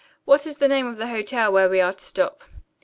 What is the name of the hotel where we are to stop?"